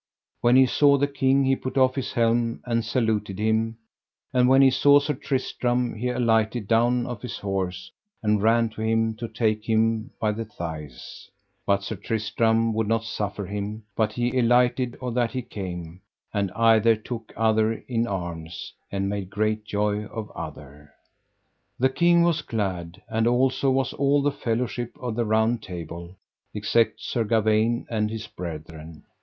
When he saw the king he put off his helm and saluted him, and when he saw Sir Tristram he alighted down off his horse and ran to him to take him by the thighs, but Sir Tristram would not suffer him, but he alighted or that he came, and either took other in arms, and made great joy of other. The king was glad, and also was all the fellowship of the Round Table, except Sir Gawaine and his brethren.